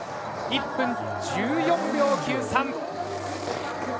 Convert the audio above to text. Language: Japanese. １分１４秒９３。